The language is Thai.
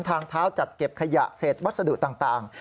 ทางเท้าจัดเก็บขยะเศษวัสดุต่าง